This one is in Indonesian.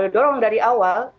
dorong dari awal